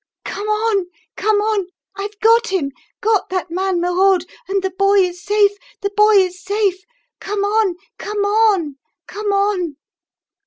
"Come on, come on! I've got him got that man Merode, and the boy is safe, the boy is safe! Come on! come on! come on!"